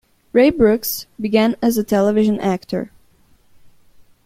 Ray Brooks began as a television actor.